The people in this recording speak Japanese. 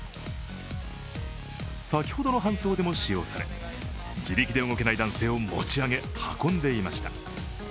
先ほどの搬送でも使用され自力で動けない男性を持ち上げ運んでいました。